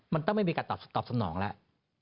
มันต้องไม่มีการตอบสนองแล้ว